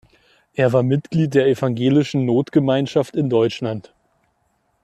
Er war Mitglied der Evangelischen Notgemeinschaft in Deutschland.